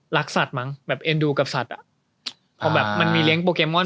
สัตว์มั้งแบบเอ็นดูกับสัตว์อ่ะพอแบบมันมีเลี้ยโปเกมอน